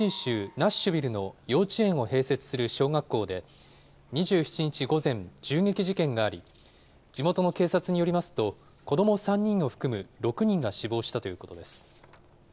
ナッシュビルの幼稚園を併設する小学校で２７日午前、銃撃事件があり、地元の警察によりますと、子ども３人を含む６人が死亡したということです。